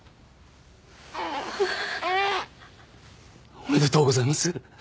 おめでとうございます！